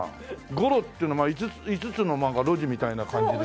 五路っていう名前は五つの路地みたいな感じですか？